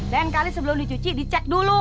lain kali sebelum dicuci dicek dulu